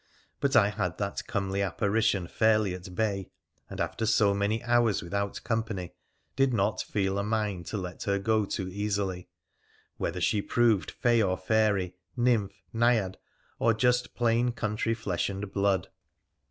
But I had that comely apparition fairly at bay, and, after so many hours without company, did not feel a mind to let her go too easily, whether she proved fay or fairy, nymph, naiad, or just plain country flesh and blood.